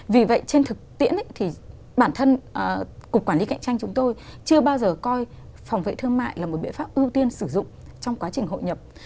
vì vậy trên thực tiễn thì bản thân cục quản lý cạnh tranh chúng tôi chưa bao giờ coi phòng vệ thương mại là một biện pháp ưu tiên sử dụng trong quá trình hội nhập